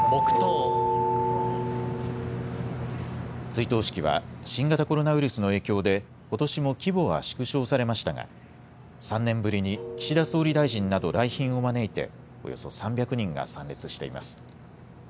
追悼式は新型コロナウイルスの影響でことしも規模は縮小されましたが３年ぶりに岸田総理大臣など来賓を招いておよそ３００人が参列しています。